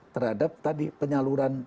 terhadap tadi penyaluran